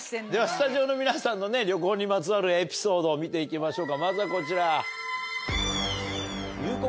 スタジオの皆さんの旅行にまつわるエピソードを見て行きましょうかまずはこちら。